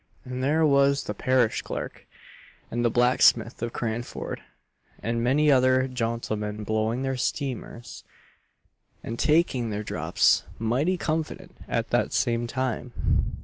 And there was the parish clerk, and the blacksmith of Cranford, and many other jontlemen blowing their steamers, and taking their drops mighty convanient at that same time.